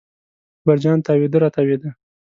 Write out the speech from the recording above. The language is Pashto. اکبر جان تاوېده را تاوېده.